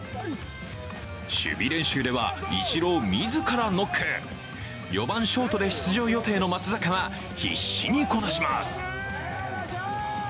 守備練習では、イチロー自らノック４番・ショートで出場予定の松坂は必死にこなします。